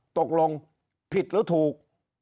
ตกลงผิดหรือถูก